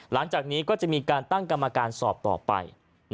หลังจากนี้ก็จะมีการตั้งกรรมการสอบต่อไป